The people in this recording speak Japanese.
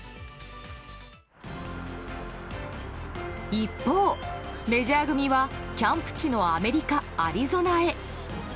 一方、メジャー組はキャンプ地のアメリカ・アリゾナへ。